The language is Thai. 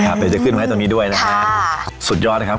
เดี๋ยวจะขึ้นมาให้ตรงนี้ด้วยนะครับสุดยอดนะครับ